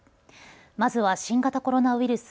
まずは新型コロナウイルス。